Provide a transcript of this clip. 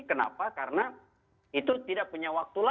kenapa karena itu tidak punya waktu lagi di dua ribu dua puluh dua